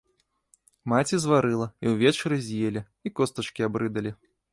Маці зварыла, і ўвечары з'елі, і костачкі абрыдалі.